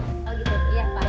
oh gitu ya pak